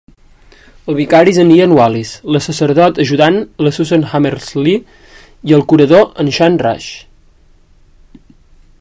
El vicari és en Ian Wallis, la sacerdot ajudant, la Susan Hammersley i el curador, en Shan Rush.